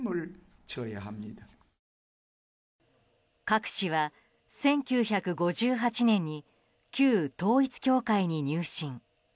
カク氏は、１９５８年に旧統一教会に入信。